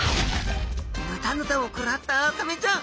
ヌタヌタをくらったサメちゃん。